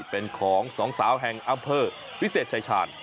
เป็นของสองสาวแห่งอำเภอวิเศษชายชาญ